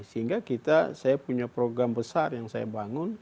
sehingga kita saya punya program besar yang saya bangun